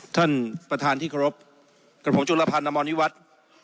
ท่านประธานที่เคารพกระโปรงจุลภัณฑ์นมวิวัฒน์